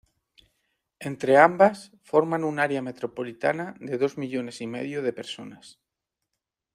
Entre ambas forman un área metropolitana de dos millones y medio de personas.